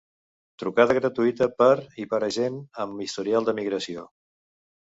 Trucada gratuïta per i per a gent amb historial de migració.